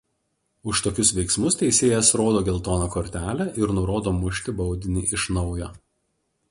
Už tokius veiksmus teisėjas rodo geltoną kortelę ir nurodo mušti baudinį iš naujo.